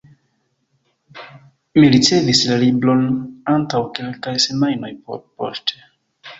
Mi ricevis la libron antaŭ kelkaj semajnoj perpoŝte.